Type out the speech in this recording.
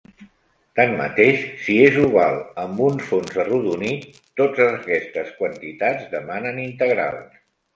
Tanmateix, si és oval amb un fons arrodonit, totes aquestes quantitats demanen integrals.